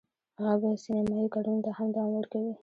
هغه به سینمایي کارونو ته هم دوام ورکوي